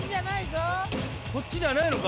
こっちじゃないのか？